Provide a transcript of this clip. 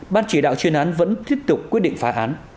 ban chỉ đạo chuyên án vẫn tiếp tục quyết định phá án